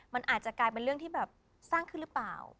มันอาจจะกลายเป็นเรื่องที่แบบสร้างขึ้นหรือเปล่า